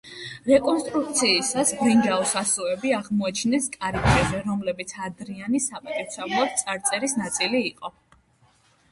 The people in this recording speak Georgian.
რეკონსტრუქციისას ბრინჯაოს ასოები აღმოაჩინეს კარიბჭეზე, რომლებიც ადრიანის საპატივცემულოდ წარწერის ნაწილი იყო.